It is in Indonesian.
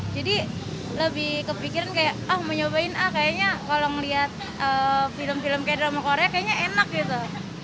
jadi lebih kepikiran kayak oh mau nyobain kalau ngeliat film film drama korea kayaknya enak gitu